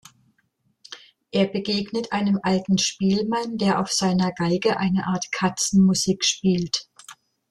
Er begegnet einem alten Spielmann, der auf seiner Geige eine Art "Katzenmusik" spielt.